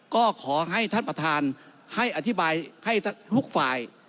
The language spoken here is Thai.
ก็ขอให้ท่านประธานให้อธิบายให้ทุกฝ่าย